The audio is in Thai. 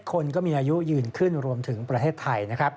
คนก็มีอายุยืนขึ้นรวมถึงประเทศไทยนะครับ